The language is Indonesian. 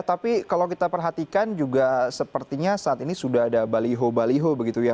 tapi kalau kita perhatikan juga sepertinya saat ini sudah ada baliho baliho begitu ya